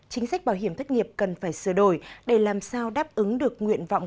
chính sách bảo hiểm thất nghiệp cần phải sửa đổi để làm sao đáp ứng được nguyện vọng